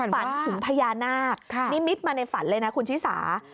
ฝันถึงพญานาคนิมิตมาในฝันเลยนะคุณชิสา